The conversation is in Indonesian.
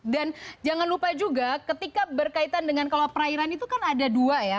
dan jangan lupa juga ketika berkaitan dengan kalau perairan itu kan ada dua ya